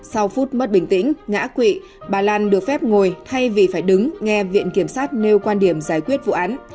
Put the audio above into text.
sau phút mất bình tĩnh ngã quỵ bà lan được phép ngồi thay vì phải đứng nghe viện kiểm sát nêu quan điểm giải quyết vụ án